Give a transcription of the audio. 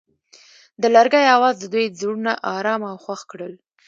د لرګی اواز د دوی زړونه ارامه او خوښ کړل.